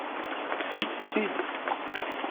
Kksen-tent-id?